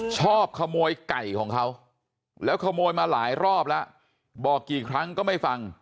ชอบขโมยไก่ของเขาแล้วขโมยมาหลายรอบแล้วบอกกี่ครั้งก็ไม่ฟัง